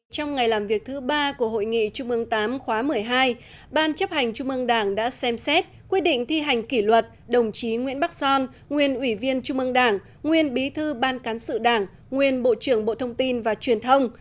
trong ngày làm việc thứ ba của hội nghị trung ương viii khóa một mươi hai ban chấp hành trung ương đảng đã xem xét quyết định thi hành kỷ luật đồng chí nguyễn bắc son nguyên ủy viên trung ương đảng nguyên bí thư ban cán sự đảng nguyên bộ trưởng bộ thông tin và truyền thông